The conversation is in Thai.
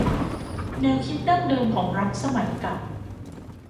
แนวคิดดั้งเดิมของรัฐสมัยเก่า